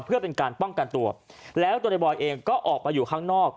เพื่อเป็นการป้องกันตัวแล้วตัวในบอยเองก็ออกไปอยู่ข้างนอก